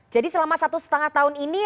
jadi selama satu setengah tahun ini